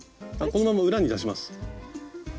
このまま裏に出します。